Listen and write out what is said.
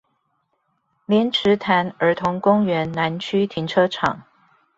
蓮池潭兒童公園南區停車場